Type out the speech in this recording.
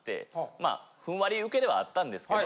まあふんわりウケではあったんですけど。